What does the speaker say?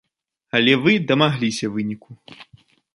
Але вы дамагліся выніку.